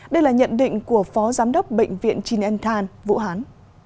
đây là nhận định của phó giám đốc bệnh viện chin than vũ hán